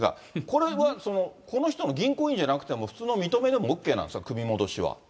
これは、この人の銀行員じゃなくても、普通の認め印でもＯＫなんですか、組み戻しは。